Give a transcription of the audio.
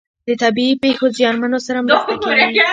د طبیعي پیښو زیانمنو سره مرسته کیږي.